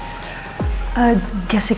saya bisa minta nomer kamu jessica